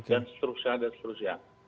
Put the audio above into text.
dan seterusnya dan seterusnya